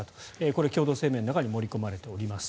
これ、共同声明の中に盛り込まれております。